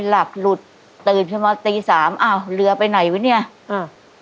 หลักหลุดตื่นขึ้นมาตีสามอ้าวเรือไปไหนวะเนี้ยอ่า